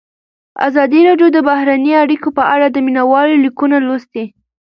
ازادي راډیو د بهرنۍ اړیکې په اړه د مینه والو لیکونه لوستي.